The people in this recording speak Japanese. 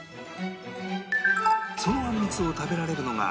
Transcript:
そのあんみつを食べられるのが